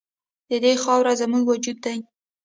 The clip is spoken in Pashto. د دې خاوره زموږ وجود دی